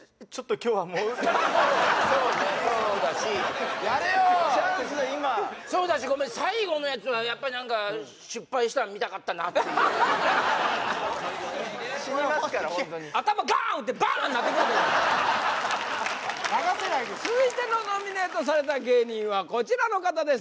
今そうだしごめん最後のやつはやっぱり何か死にますからホントに頭ガーン打ってバーンなってくれたらよかったのに続いてのノミネートされた芸人はこちらの方です